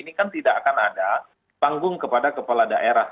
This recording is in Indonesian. ini kan tidak akan ada panggung kepada kepala daerah